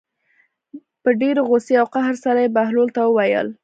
په ډېرې غوسې او قهر سره یې بهلول ته وویل.